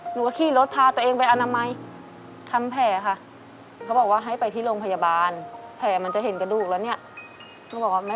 หนูบอกว่าไม่เป็นไรหรอกค่ะนู้นทนได้